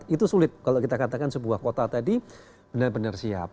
itu sulit kalau kita katakan sebuah kota tadi benar benar siap